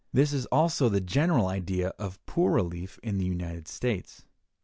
This is also the general idea of poor relief in the United States.